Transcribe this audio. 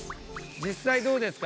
実際どうですか？